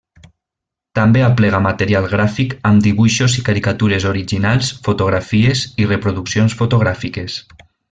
També aplega material gràfic amb dibuixos i caricatures originals, fotografies i reproduccions fotogràfiques.